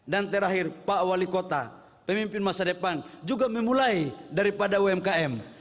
dan terakhir pak wali kota pemimpin masa depan juga memulai daripada umkm